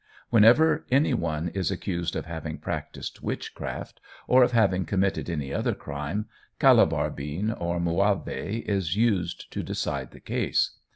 Whenever any one is accused of having practised witchcraft, or of having committed any other crime, Calabar bean or Muavi is used to decided the case.